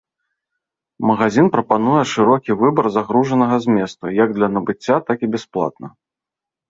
Магазін прапануе шырокі выбар загружанага зместу як для набыцця, так і бясплатна.